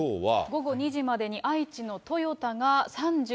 午後２時までに、愛知の豊田が３７．５度。